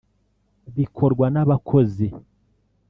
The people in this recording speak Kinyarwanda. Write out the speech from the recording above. Bikorwa n’abakozi